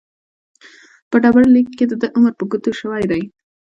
په ډبرلیک کې دده عمر په ګوته شوی دی.